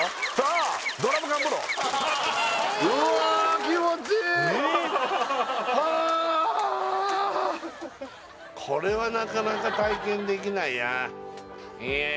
あこれはなかなか体験できないねいや